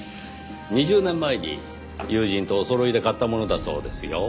２０年前に友人とおそろいで買ったものだそうですよ。